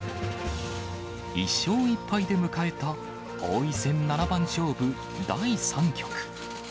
１勝１敗で迎えた王位戦七番勝負第３局。